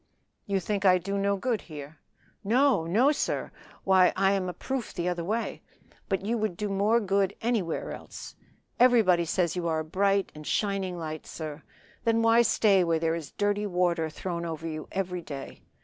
"You think I do no good here?" "No! no! sir. Why I am a proof the other way. But you would do more good anywhere else. Everybody says you are a bright and a shining light, sir. Then why stay where there is dirty water thrown over you every day?